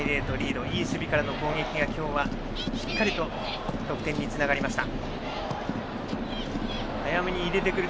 今日は、いい守備からの攻撃がしっかりと得点につながりました。